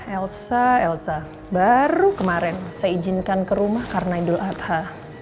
elsa elsa baru kemarin saya izinkan ke rumah karena idul adha